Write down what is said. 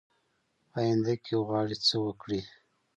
په آینده کې غواړي څه وکړي ؟